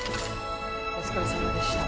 お疲れさまでした。